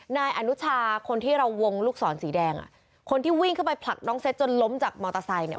นายอนุชาคนที่เราวงลูกศรสีแดงอ่ะคนที่วิ่งเข้าไปผลักน้องเซ็ตจนล้มจากมอเตอร์ไซค์เนี่ย